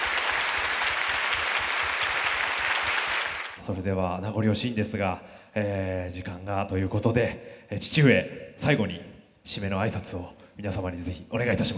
それでは名残惜しいんですがえ時間がということで父上最後に締めの挨拶を皆様に是非お願いいたします。